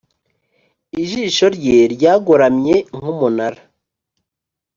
ijosi rye ryagoramye nk'umunara,